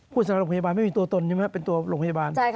ผู้โดยการโรงพยาบาลไม่มีตัวตนเป็นตัวโรงพยาบาล